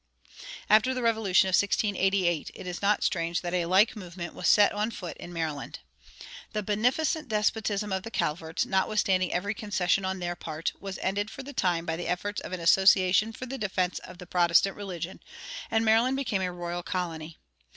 After the Revolution of 1688 it is not strange that a like movement was set on foot in Maryland. The "beneficent despotism" of the Calverts, notwithstanding every concession on their part, was ended for the time by the efforts of an "Association for the Defense of the Protestant Religion," and Maryland became a royal colony.